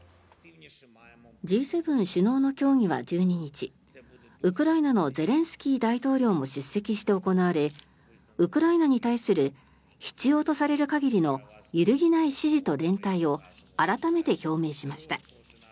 Ｇ７首脳の協議は１２日ウクライナのゼレンスキー大統領も出席して行われウクライナに対する必要とされる限りの揺るぎない支持と連帯を改めて表明しました。